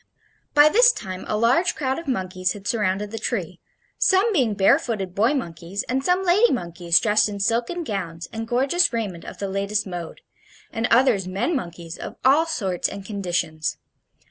By this time a large crowd of monkeys had surrounded the tree, some being barefooted boy monkeys, and some lady monkeys dressed in silken gowns and gorgeous raiment of the latest mode, and others men monkeys of all sorts and conditions.